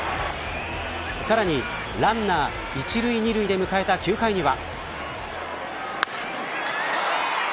さらにランナー１塁２塁で迎えた９回には。